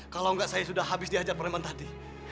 kalau enggak saya sudah habis diajar peraman tadi